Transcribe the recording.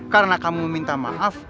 karena kamu meminta maaf